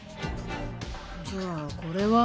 じゃあこれは。